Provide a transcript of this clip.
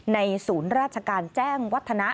ศูนย์ราชการแจ้งวัฒนะ